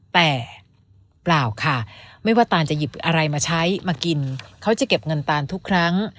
แต่เปล่าค่ะไม่ว่าตานจะหยิบอะไรมาใช้มากินเขาจะเก็บเงินตานทุกครั้ง